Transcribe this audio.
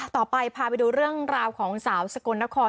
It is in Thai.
พาไปดูเรื่องราวของสาวสกลนคร